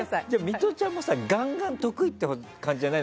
ミトちゃんもガンガン得意って感じじゃない？